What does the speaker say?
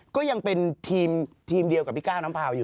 ก็ยังเป็นทีมเดียวกับพี่ก้าวน้ำพาวอยู่